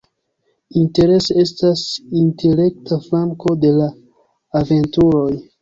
Interesa estas intelekta flanko de la aventuroj.